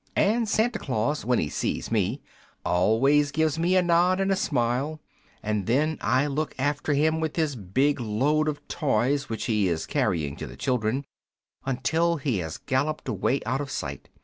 And Santa Claus, when he sees me, always gives me a nod and a smile, and then I look after him and his big load of toys which he is carrying to the children, until he has galloped away out of sight.